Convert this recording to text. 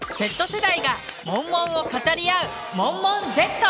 Ｚ世代がモンモンを語り合う「モンモンＺ」。